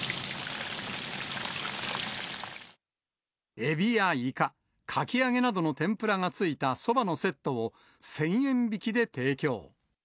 エビやイカ、かき揚げなどの天ぷらがついたそばのセットを、１０００円引きで提供。